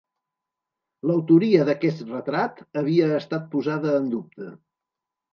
L'autoria d'aquest retrat havia estat posada en dubte.